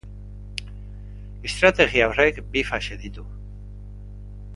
Estrategia horrek bi fase ditu.